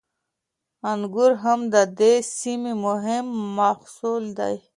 انګور هم د دې سیمې مهم محصول دی.